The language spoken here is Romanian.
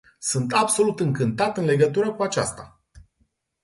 Sunt absolut încântat în legătură cu aceasta.